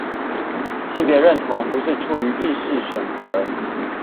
性別認同不是出於意識選擇